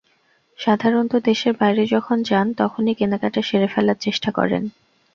সাধারণত দেশের বাইরে যখন যান, তখনই কেনাকাটা সেরে ফেলার চেষ্টা করেন।